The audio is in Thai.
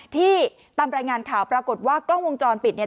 ที่ตามรายงานข่าวปรากฏว่ากล้องวงจรปิดเนี่ย